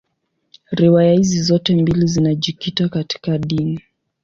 Riwaya hizi zote mbili zinajikita katika dini.